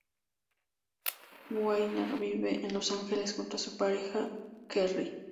Weiner vive en Los Ángeles junto a su pareja, Kerry.